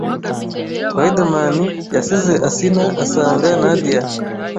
Riderman yasize Asinah asanga Nadia